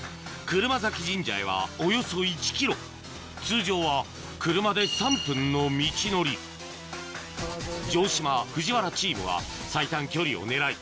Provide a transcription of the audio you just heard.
車折神社へはおよそ１ｋｍ通常は車で３分の道のり城島・藤原チームは最短距離を狙い